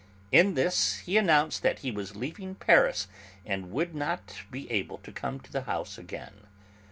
In this he announced that he was leaving Paris and would not be able to come to the house again.